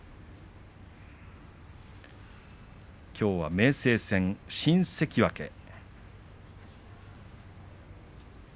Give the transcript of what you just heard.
きょうは明生戦、新関脇です、明生。